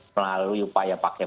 melalui upaya pakai vaksin